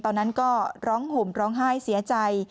ตอนนั้นก็ร้องห่มร้องไห้เสียใจ